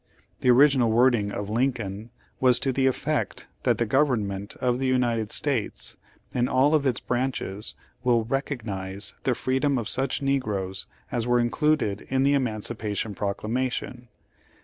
The original wording of Lincoln was to the effect that the government of the United States, in all of its branches will recognize the freedom of such negroes as were included in the Emancipation Proclamation.